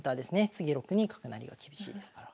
次６二角成が厳しいですから。